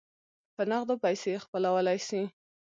په نغدو پیسو یې خپلولای سی.